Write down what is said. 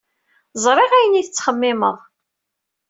Ẓriɣ ayen ay tettxemmimeḍ.